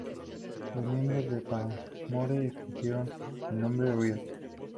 Los miembros de Paramore escogieron el nombre "Riot!